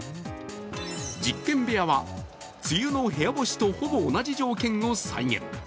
実験部屋は梅雨の部屋干しとほぼ同じ条件を再現。